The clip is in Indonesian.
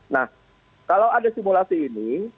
nah kalau ada simulasi ini